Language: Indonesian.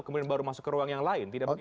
kemudian baru masuk ke ruang yang lain